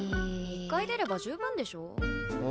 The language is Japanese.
１回出れば十分でしょ。